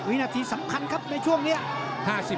วินาทีสำคัญครับในช่วงนี้